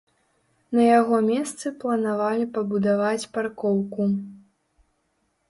На яго месцы планавалі пабудаваць паркоўку.